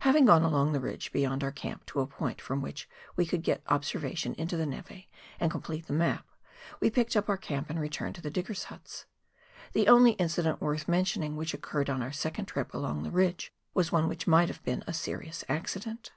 Having gone along the ridge beyond our camp to a point from which we could get observation into the neve and com plete the map, we picked up our camp and returned to the diggers' huts. The only incident worth mentioning which occurred on our second trip along the ridge was one which might have been a serious accident.